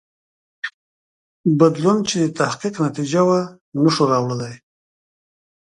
بدلون چې د تحقیق نتیجه وه نه شو راوړلای.